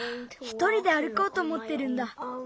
ひとりであるこうとおもってるんだ。